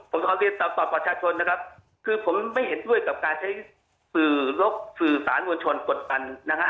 คือผมตอบประชาชนนะครับคือผมไม่เห็นด้วยกับการใช้สื่อสารมวลชนกดดันนะครับ